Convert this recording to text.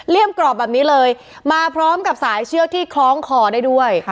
กรอบแบบนี้เลยมาพร้อมกับสายเชือกที่คล้องคอได้ด้วย